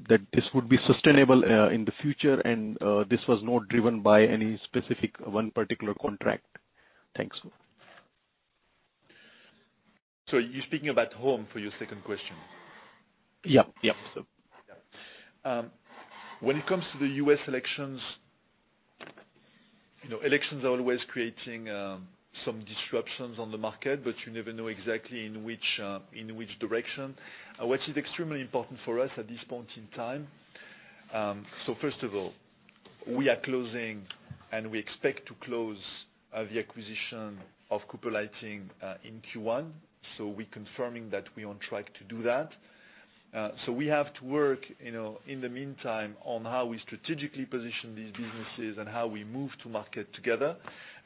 that this would be sustainable in the future, and this was not driven by any specific one particular contract? Thanks. You're speaking about Home for your second question? Yeah. When it comes to the U.S. elections are always creating some disruptions on the market, but you never know exactly in which direction. What is extremely important for us at this point in time, so first of all, we are closing and we expect to close the acquisition of Cooper Lighting in Q1. We're confirming that we are on track to do that. We have to work in the meantime on how we strategically position these businesses and how we move to market together.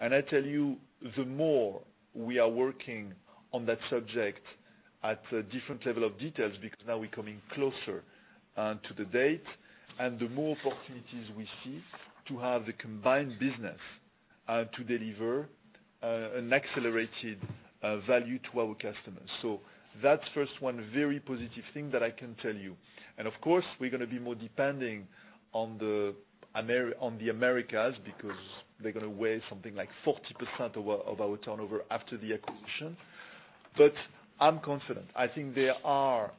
I tell you, the more we are working on that subject at a different level of details, because now we're coming closer to the date, and the more opportunities we see to have the combined business to deliver an accelerated value to our customers. That's first one very positive thing that I can tell you. Of course, we're going to be more depending on the Americas because they're going to weigh something like 40% of our turnover after the acquisition. I'm confident. I think there are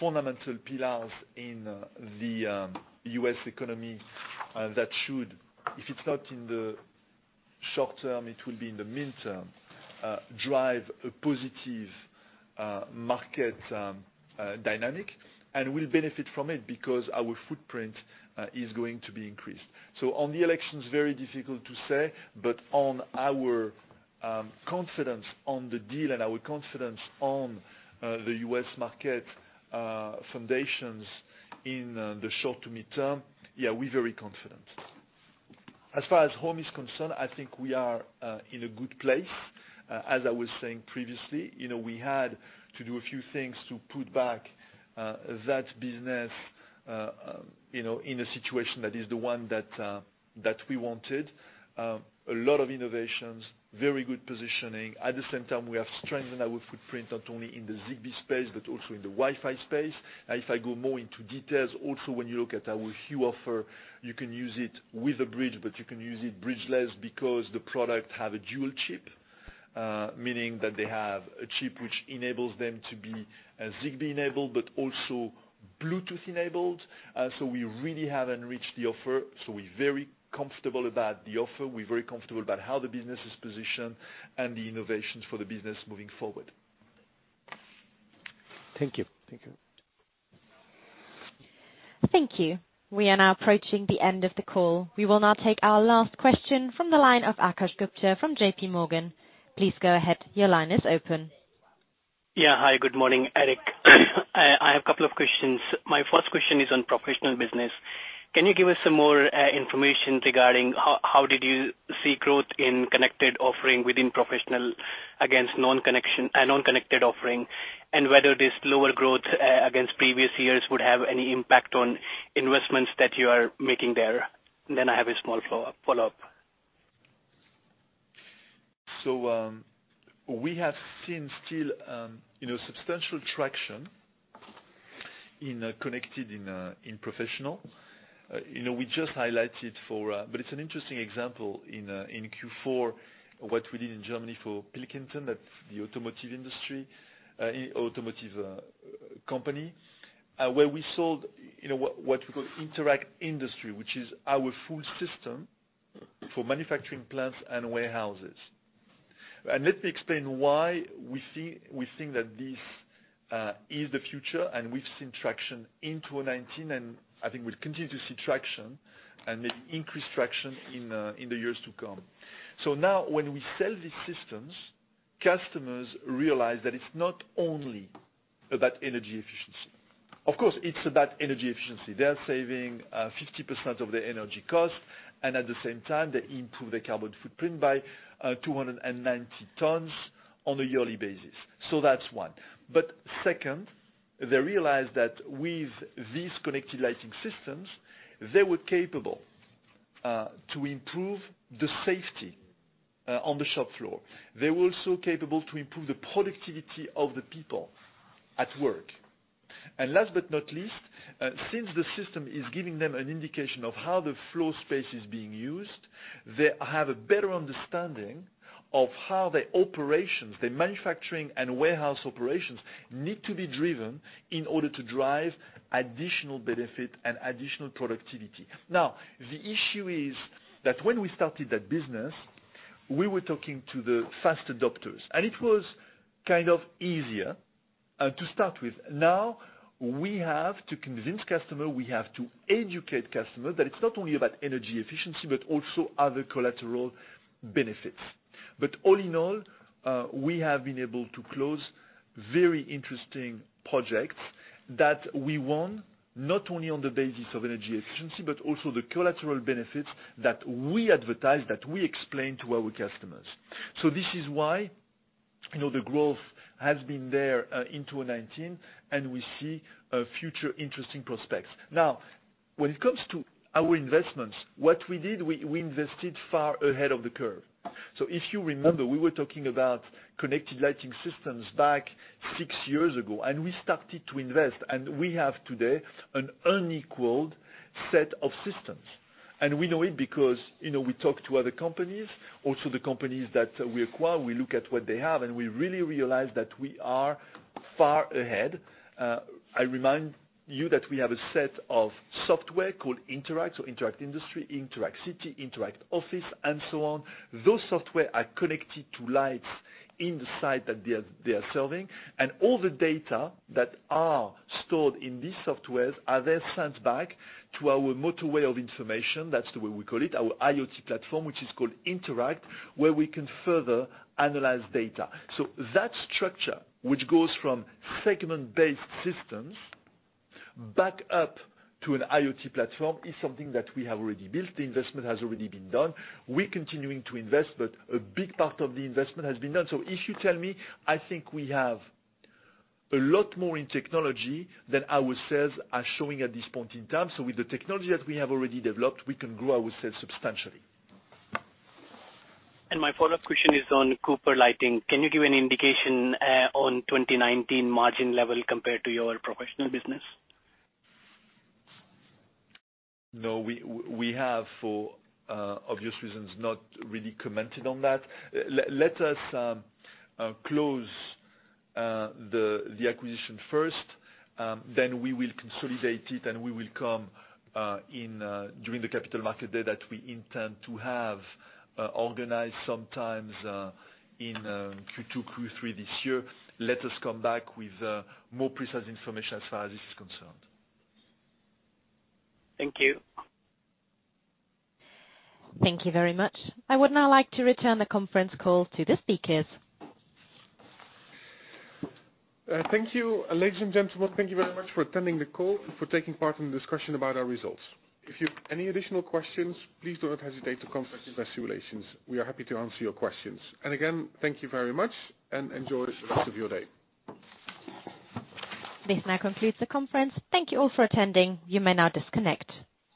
fundamental pillars in the U.S. economy that should, if it's not in the short term, it will be in the midterm, drive a positive market dynamic. We'll benefit from it because our footprint is going to be increased. On the elections, very difficult to say, but on our confidence on the deal and our confidence on the U.S. market foundations in the short to midterm, yeah, we're very confident. As far as home is concerned, I think we are in a good place. As I was saying previously, we had to do a few things to put back that business in a situation that is the one that we wanted. A lot of innovations, very good positioning. At the same time, we have strengthened our footprint, not only in the Zigbee space, but also in the Wi-Fi space. If I go more into details, also, when you look at our Hue offer, you can use it with a bridge, but you can use it bridge-less because the product have a dual chip, meaning that they have a chip which enables them to be Zigbee-enabled, but also Bluetooth-enabled. We really have enriched the offer. We're very comfortable about the offer. We're very comfortable about how the business is positioned and the innovations for the business moving forward. Thank you. Thank you. Thank you. We are now approaching the end of the call. We will now take our last question from the line of Akash Gupta from JPMorgan. Please go ahead. Your line is open. Yeah. Hi, good morning, Eric. I have a couple of questions. My first question is on professional business. Can you give us some more information regarding how did you see growth in connected offering within professional against non-connected offering? Whether this lower growth against previous years would have any impact on investments that you are making there? I have a small follow-up. We have seen still substantial traction in connected in Professional. We just highlighted, but it's an interesting example in Q4, what we did in Germany for Pilkington, that's the automotive company, where we sold what we call Interact Industry, which is our full system for manufacturing plants and warehouses. Let me explain why we think that this is the future, and we've seen traction in 2019, and I think we'll continue to see traction and maybe increased traction in the years to come. Now when we sell these systems, customers realize that it's not only about energy efficiency. Of course, it's about energy efficiency. They are saving 50% of their energy cost, and at the same time, they improve their carbon footprint by 290 tons on a yearly basis. That's one. Second, they realized that with these connected lighting systems, they were capable to improve the safety on the shop floor. They're also capable to improve the productivity of the people at work. Last but not least, since the system is giving them an indication of how the floor space is being used, they have a better understanding of how their operations, their manufacturing and warehouse operations, need to be driven in order to drive additional benefit and additional productivity. The issue is that when we started that business, we were talking to the fast adopters, and it was kind of easier to start with. We have to convince customer, we have to educate customer that it's not only about energy efficiency, but also other collateral benefits. All in all, we have been able to close very interesting projects that we won, not only on the basis of energy efficiency, but also the collateral benefits that we advertise, that we explain to our customers. this is why the growth has been there in 2019, and we see future interesting prospects. Now, when it comes to our investments, what we did, we invested far ahead of the curve. if you remember, we were talking about connected lighting systems back six years ago, and we started to invest, and we have today an unequaled set of systems. we know it because we talk to other companies, also the companies that we acquire, we look at what they have, and we really realize that we are far ahead. I remind you that we have a set of software called Interact, so Interact Industry, Interact City, Interact Office, and so on. Those software are connected to lights in the site that they are serving, and all the data that are stored in these softwares are then sent back to our motorway of information. That's the way we call it, our IoT platform, which is called Interact, where we can further analyze data. That structure, which goes from segment-based systems back up to an IoT platform, is something that we have already built. The investment has already been done. We're continuing to invest, but a big part of the investment has been done. If you ask me, I think we have a lot more in technology than our sales are showing at this point in time. With the technology that we have already developed, we can grow our sales substantially. My follow-up question is on Cooper Lighting. Can you give an indication on 2019 margin level compared to your professional business? No. We have, for obvious reasons, not really commented on that. Let us close the acquisition first, then we will consolidate it, and we will come during the capital market day that we intend to have organized some times in Q2, Q3 this year. Let us come back with more precise information as far as this is concerned. Thank you. Thank you very much. I would now like to return the conference call to the speakers. Thank you. Ladies and gentlemen, thank you very much for attending the call and for taking part in the discussion about our results. If you've any additional questions, please do not hesitate to contact investor relations. We are happy to answer your questions. again, thank you very much, and enjoy the rest of your day. This now concludes the conference. Thank you all for attending. You may now disconnect.